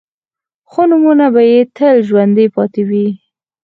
خو نومونه به يې تل ژوندي پاتې وي.